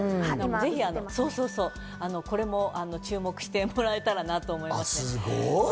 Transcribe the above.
ぜひこれも注目してもらえたらなと思います。